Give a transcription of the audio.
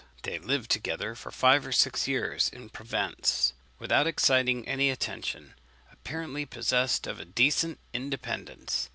They lived together for five or six years in Provence, without exciting any attention, apparently possessed of a decent independence.